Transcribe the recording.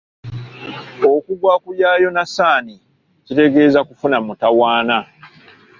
Okugwa ku ya Yonasaani kitegeeza kufuna mutawaana.